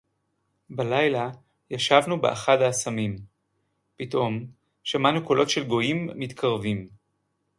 בַּלַּיְלָה יָשַׁבְנוּ בְּאַחַד הָאֲסָמִים. פִּתְאֹם שָׁמַעְנוּ קוֹלוֹת שֶׁל גּוֹיִים מִתְקָרְבִים.